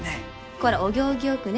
こらお行儀よくね。